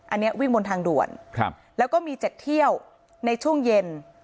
อันนี้วิ่งบนทางด่วนแล้วก็มี๗เที่ยวในช่วงเย็น